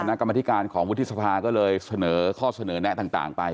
กรรมธิการของวุฒิสภาก็เลยเสนอข้อเสนอแนะต่างไป